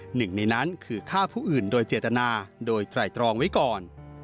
หนึ่งในนั้นคือฆ่าผู้อื่นโดยเจตนาโดยไตรตรองไว้ก่อน